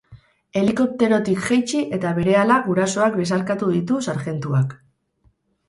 Helikopterotik jaitsi eta berehala gurasoak besarkatu ditu sarjentuak.